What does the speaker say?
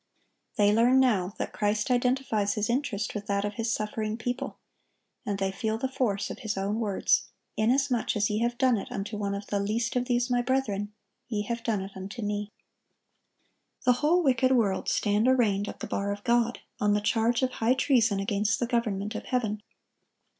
They learn now that Christ identifies His interest with that of His suffering people; and they feel the force of His own words, "Inasmuch as ye have done it unto one of the least of these My brethren, ye have done it unto Me."(1160) The whole wicked world stand arraigned at the bar of God, on the charge of high treason against the government of heaven.